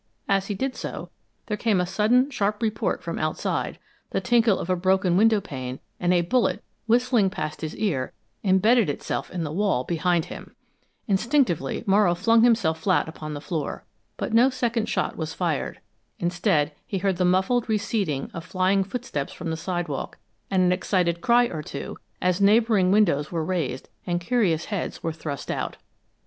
As he did so, there came a sudden sharp report from outside, the tinkle of a broken window pane, and a bullet, whistling past his ear, embedded itself in the wall behind him! Instinctively Morrow flung himself flat upon the floor, but no second shot was fired. Instead, he heard the muffled receding of flying footsteps from the sidewalk, and an excited cry or two as neighboring windows were raised and curious heads were thrust out.